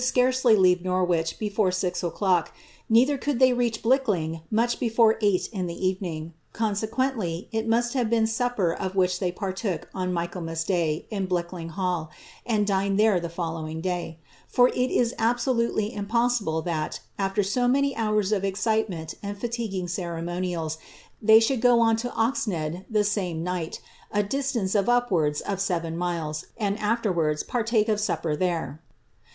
irrrly leave Norwich before six o'clock, neither could they reach Blickling nmcli before eight in the evening, consequently it must btvi iicrn HuppcT of M'hirh they ])artook on Michaelmas day in Blickling ball, and dined there the following day; for it is absolutely iropoMihb that, at'icr no many hours of excitement and fatiguing ceremonials, they xlionld go on lo Oxnead the same night, a distance of upwards of seftf nil Irs, and altcrwards partake of supi)er there.